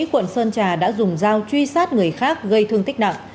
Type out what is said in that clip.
quận sơn trà đã dùng dao truy sát người khác gây thương tích nặng